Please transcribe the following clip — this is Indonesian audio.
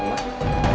mama denger dulu mama